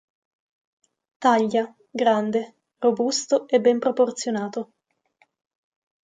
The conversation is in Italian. Taglia: grande, robusto e ben proporzionato.